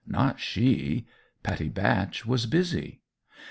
Not she! Pattie Batch was busy.